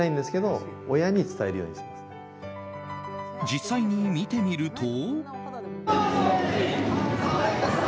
実際に見てみると。